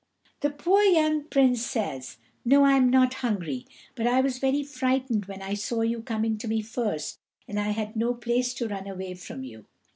The poor young Prince says, "No, I am not hungry; but I was very frightened when I saw you coming to me first, as I had no place to run away from you."